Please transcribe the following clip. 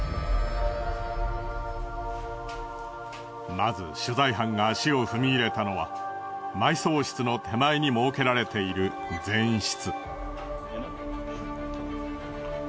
まず取材班が足を踏み入れたのは埋葬室の手前に設けられている前室。